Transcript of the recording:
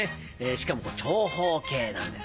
しかも長方形なんです。